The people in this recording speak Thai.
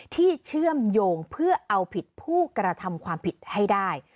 เชื่อมโยงเพื่อเอาผิดผู้กระทำความผิดให้ได้